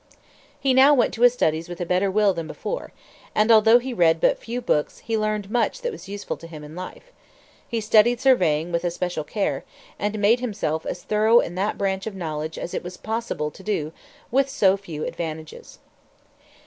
He now went to his studies with a better will than before; and although he read but few books he learned much that was useful to him in life. He studied surveying with especial care, and made himself as thorough in that branch of knowledge as it was possible to do with so few advantages.